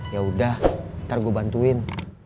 yaudah ntar gua bantuin